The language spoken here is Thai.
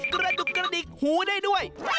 กระดุกกระดิกหูได้ด้วย